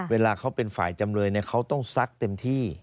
เวลาเขาเป็นฝ่ายจำเลยเขาต้องซักเต็มที่